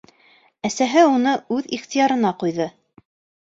Әсәһе уны үҙ ихтыярына ҡуйҙы.